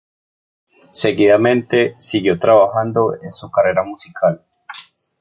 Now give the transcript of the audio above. Seguidamente siguió trabajando en su carrera musical.